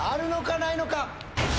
ないのか？